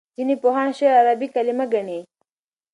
ځینې پوهان شعر عربي کلمه ګڼي.